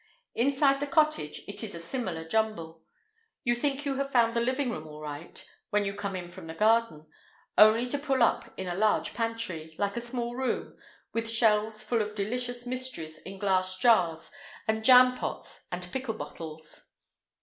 Inside the cottage it is a similar jumble. You think you have found the living room all right, when you come in from the garden, only to pull up in a large pantry, like a small room, with shelves full of delicious mysteries in glass jars and jampots and pickle bottles.